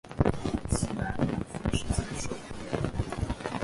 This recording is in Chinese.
起来，全世界受苦的人！